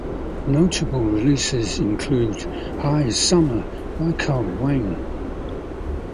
Notable releases include "Hi Summer" by Carl Wayne.